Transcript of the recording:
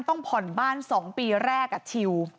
ต้องผ่อนบ้าน๒ปีแรกชิว